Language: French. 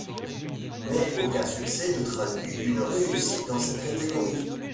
Mais aucun succès ne traduit une réussite dans cette catégorie.